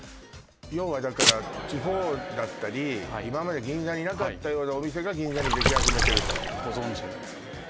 要はだから地方だったり今まで銀座になかったようなお店が銀座にできはじめてるとご存じですか？